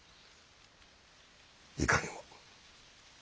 いかにも。